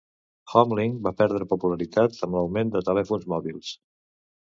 HomeLink va perdre popularitat amb l'augment de telèfons mòbils.